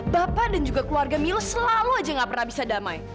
bapak dan juga keluarga mil selalu aja gak pernah bisa damai